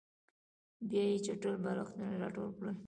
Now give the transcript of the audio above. بیا یې چټل بالښتونه راټول کړل